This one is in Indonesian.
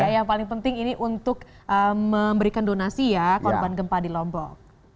yang paling penting ini untuk memberikan donasi ya korban gempa di lombok